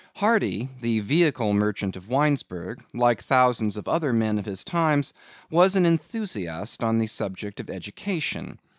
Hardy, the vehicle merchant of Winesburg, like thousands of other men of his times, was an enthusiast on the subject of education.